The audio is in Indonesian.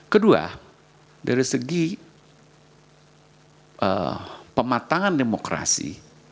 kedua dari segi pematangan demokrasi